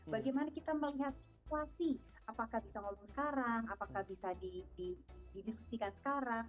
bagaimana kita melihat situasi apakah bisa ngomong sekarang apakah bisa didiskusikan sekarang